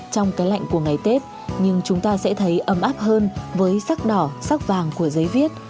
trong cái lạnh của ngày tết nhưng chúng ta sẽ thấy ấm áp hơn với sắc đỏ sắc vàng của giấy viết